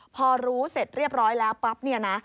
พอรู้เสร็จเรียบร้อยแล้วปั๊บเนี่ยนะ